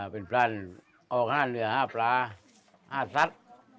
เป็นพรานออกห้านเหนือห้าปลาห้าสัตว์